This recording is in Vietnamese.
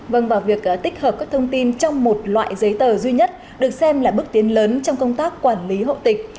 vâng và việc tích hợp các thông tin trong một loại giấy tờ duy nhất được xem là bước tiến lớn trong công tác quản lý hộ tịch